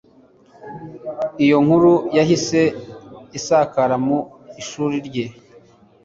iyo nkuru yahise isakara mu ishuri rye